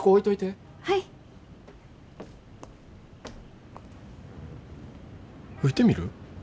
吹いてみる？